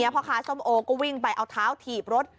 พ่อค้าส้มโอก็วิ่งไปเอาเท้าถีบรถ